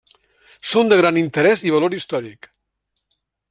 Són de gran interès i valor històric.